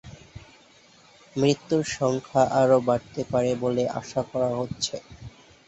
মৃত্যুর সংখ্যা আরো বাড়তে পারে বলে আশা করা হচ্ছে।